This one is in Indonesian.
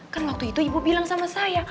kan waktu itu ibu bilang sama saya